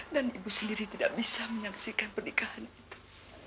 dan ibu sendiri tidak bisa menyaksikan pernikahan itu